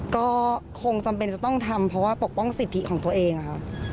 ก็คงจำเป็นจะต้องทำเพราะว่าปกป้องสิทธิของตัวเองค่ะ